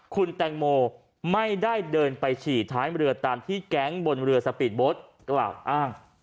คุณแตงโมไม่ได้เดินไปฉี่ท้ายเรือตามที่แก๊งบนเรือสปีดโบ๊ทกล่าวอ้าง